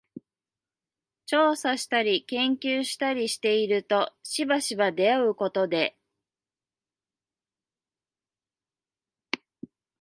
調査したり研究したりしているとしばしば出合うことで、